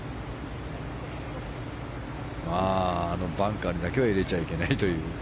あのバンカーにだけは入れちゃいけないという。